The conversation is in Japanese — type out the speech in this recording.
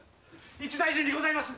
一大事にございます！